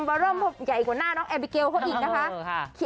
บาร่มพบใหญ่กว่าน่าน้องแอบิเกลเพราะอีกนะคะ